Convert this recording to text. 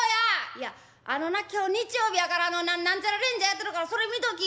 「いやあのな今日日曜日やからあの何ちゃらレンジャーやっとるからそれ見とき」。